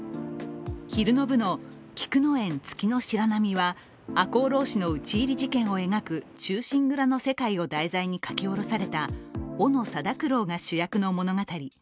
昼の部の「菊宴月白浪」は赤穂浪士の討ち入り事件を描く「忠臣蔵」の世界を題材に書き下ろされた斧定九郎が主役の物語。